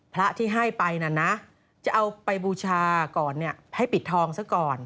พระที่ให้ไปนะจะเอาไปบูชาก่อนให้ปิดทองซะก่อน